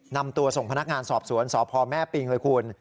นำตัวส่งพนักงานสอบสวนสพแม่ปิงเลยคุณ